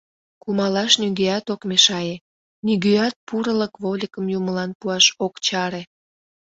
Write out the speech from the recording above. Кумалаш нигӧат ок мешае, нигӧат пурылык вольыкым юмылан пуаш ок чаре...